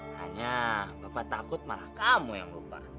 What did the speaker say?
hanya bapak takut malah kamu yang lupa